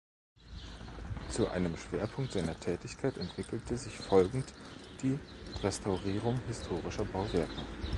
Zu einem Schwerpunkt seiner Tätigkeit entwickelte sich folgend die Restaurierung historischer Bauwerke.